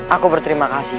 aku berterima kasih